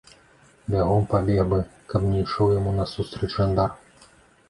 Бягом пабег бы, каб не ішоў яму насустрач жандар.